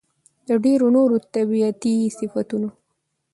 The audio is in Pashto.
د ډېرو نوو طبيعتي صفتونو